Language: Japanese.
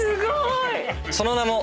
その名も。